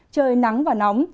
trời nắng và nóng